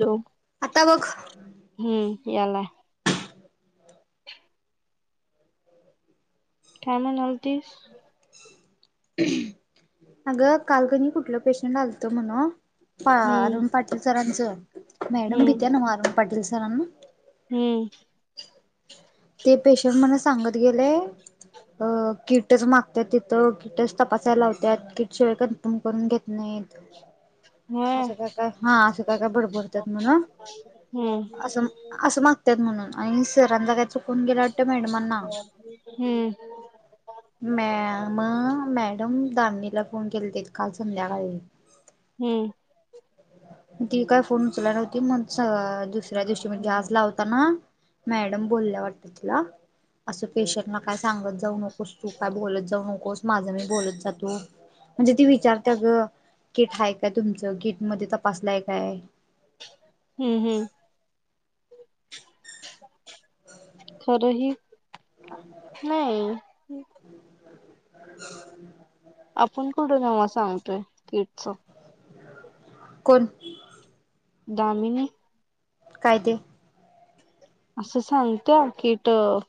Hello. आता बघ. हम्म, याला काय म्हणालतीस? अगं! काल कणी कुठलं पेशंट आलत म्हण हम्म अरुण पाटील सरांचं, मॅडम हम्म भीत्या ना अरुण पाटील सरांना. हम्म. ते पेशंट मला सांगत गेले, अ कीटच मागत तिथं किटच तपासायला लावतआता, ती [unintelligible] कन्फर्म करून घेत नाहीत. [inaudible] असं काय काय हा असं काय काय बडबडतात म्हण हम्म. असं असं मागतात म्हणून, आणि सरांचा काय चूक फोन गेला वाटत मॅडम ना. हम्म मॅ म मॅडम दामणीला फोन केलेतेत काल संध्याकाळी. हम्म. ती काय फोन उचलाय नव्हती, मग दुसऱ्या दिवशी म्हणजे आज लावता ना मॅडम बोलल्या वाटतं तीला, असं पेशंटला काय सांगत जाऊ नको. तू काय बोलत जाऊ नकोस, माझा मी बोलत जातो. म्हणजे ती विचारते अग किट हाय काय तुमचं, कीट मध्ये तपासलंय काय? हम्म हम्म खरंही नाही. हो आपण कुठं त्यांना सांगतोय किटच कोण? दामिनी. काय ते. असं सांगत कीट अह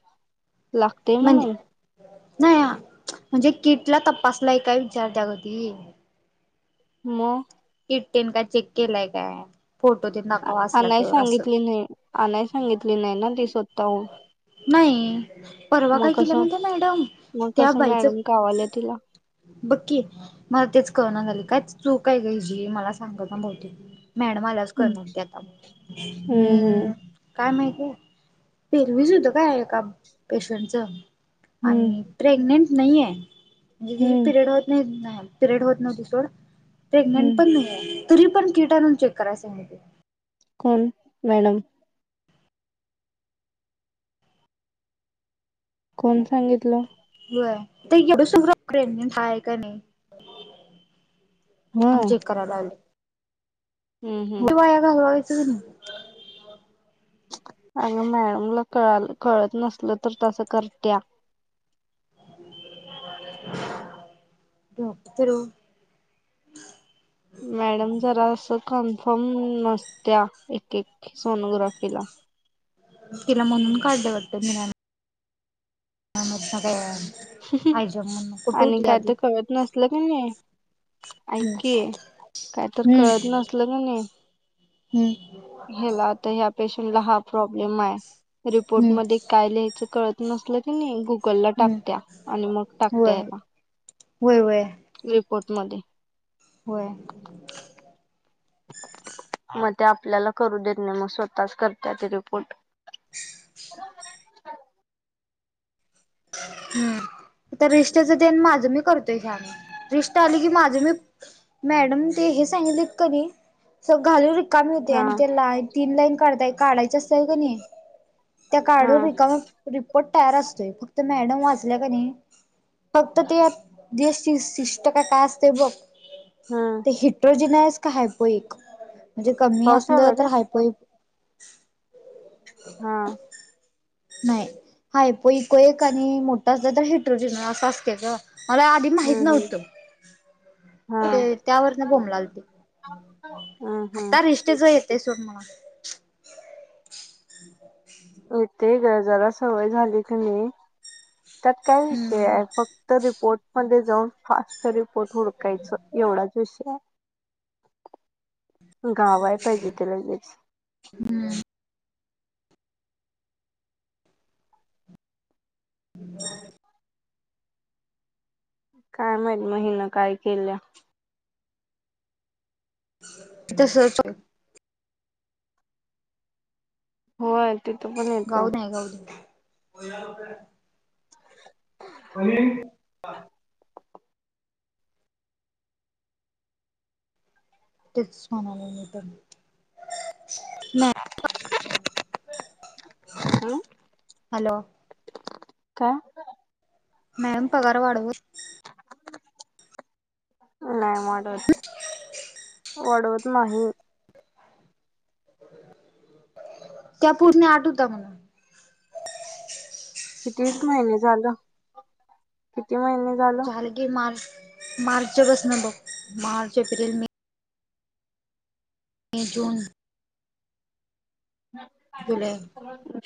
लागते म्हणून नाहीया म्हणजे किटला तपासलय काय विचारते अग ती मग किट टेन का चेक केलाय काय फोटो [unintelligible] आणाय तर असं सांगितलेले आणाय सांगितले नाय ना ती स्वतःहून. नाही परवा मग काय केल्या कसं माहिती मॅडम मग त्या कसं बाईचं मॅडम कावाल्या तिला बघकी मला तेच कळ नाय झालय काय चूक आहे ग तिची मला सांगत ना भवती मॅडम आल्यावर हम्म [unintelligible] आता हम्म काय माहिती आहे पेल्विस होत काय एका पेशंटच हम्म आणि प्रेग्नेंट नाहीये म्हणजे जे हम्म पिरियड होत नाही ना पिरयड होत नव्हते सोड प्रेग्नेंट हम्म पण नाही आहे तरी पण किट आणून चेक कराय सांगितलं. कोण? मॅडम. कोण सांगितलं? व्हय [unintelligible] हाय का नाही आम्ही होय चेक करायला आलो. हम्म हम्म. वेळ वाया घाल [unintelligible] अगं मॅडमला कळाल कळत नसल तर तसं करत्या डॉक्ट तर मॅडम जरा अस कन्फर्म नसत्या एक एक सोनोग्राफीला तिला म्हणून काढलं वाटतं म [unintelligible] आयजॉब म्हणून कुठे आणि होती काय आधी ते कळत नसल की नाय. ऐक हम्म की काय तर हम्म कळत नसल की नाही हम्म. ह्याला आता ह्या पेशंटला हा प्रॉब्लेम हाय रिपोर्ट हम्म मध्ये काय लिहायचं कळत नसलं की नाही गुगल ला हम्म टाकत्या आणि मग टाकत्या याला व्हय व्हय. रिपोर्टमध्ये हो. मग ते आपल्याला करू देत नाही मग स्वतःच करतात ते रिपोर्ट ह हम्म. त्या रीष्टेच ते अन माझं मी करतोय ह्यात रिष्टा आली की माझ मी मॅडम ते हे सांगितलेत कधी स घालून कामी होते हा आणि त्याला तीन लाईन काढता काढायच असत्याल की नाही त्या हा काढून रिकाम रिपोर्ट तयार असतोय फक्त मॅडम वाचल्या का नाही फक्त ते देश शिष्ट का काय असते बघ हा हिट्रोजेनयस का हायपोइक म्हणजे कमी पाऊस असलं यायलाय तर काय? हायपोइ हा नाही हायपोइक एक आणि मोठा असला तर हिट्रोजन असा असतेयच गं. मला आधी माहित हम्म हम्म नव्हतं. हा ते त्यावर न बोमलाल ते हम्म हम्म आता रि ते जे येते सोड मला. [inaudible] येते गं जरा सवय झाली का नाही, त्यात काय विषय हम्म आहे फ क्त रिपोर्ट मध्ये जाऊन फास्ट रिपोर्ट हुडकायचं, एवढाच विषय आहे. गावाया पाहिजे ते लगेच. हम्म [inaudible] काय माहित म हिन काय केल्या? तसंच होय तिथ पण ए गाऊन आहे गाऊन आणि तेच म्हणाले मी पण. नाही [unintelligible] हॅलो अ काय? मॅम पगार वाढव नाही वाढवत, वाढवत नाही. त्या पूर्ण आठ होता म्हणून. किती महीने झालं? किती महीने झाले? झालं की मार्च मार्च पासन बघ मार्च, एप्रिल, मे मे, जून हा जूले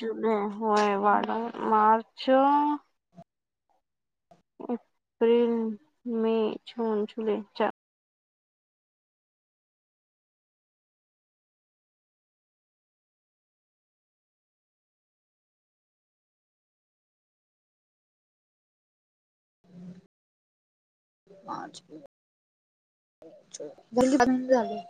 जुले होय वाढ अ मार्च एप्रिल, मे, जून, जुलै चा मार्च गल्लीपर्यंत झालं.